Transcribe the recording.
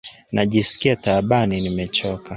Najiskia taabani nimechoka.